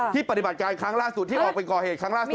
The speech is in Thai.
ปฏิบัติการครั้งล่าสุดที่ออกไปก่อเหตุครั้งล่าสุด